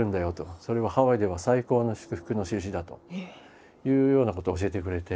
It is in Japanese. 「それはハワイでは最高の祝福のしるしだ」というようなことを教えてくれて。